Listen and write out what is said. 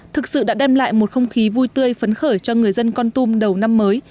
thực sự đã đem lại một không khí vui tươi phấn khởi cho người dân con tum đầu năm mới